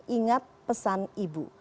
ingat pesan ibu